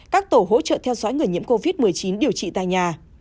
các tổ hỗ trợ theo dõi người nhiễm covid một mươi chín điều trị tại nhà